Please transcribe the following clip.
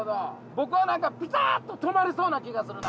僕は何かピタっと止まりそうな気がするな。